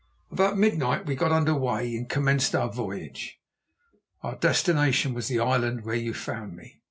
About midnight we got under weigh and commenced our voyage. Our destination was the island where you found me."